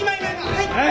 はい！